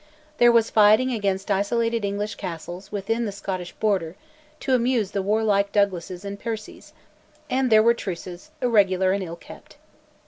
There was fighting against isolated English castles within the Scottish border, to amuse the warlike Douglases and Percies, and there were truces, irregular and ill kept.